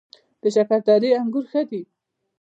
د شکردرې انګور ښه دي